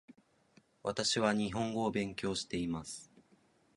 私は日本語を勉強しています